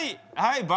はい。